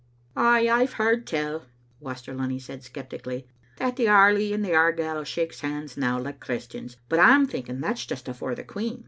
" Ay, I've heard tell," Waster Lunny said sceptically, " that Airlie and Argyle shakes hands now like Chris tians; but I'm thinking that's just afore the Queen.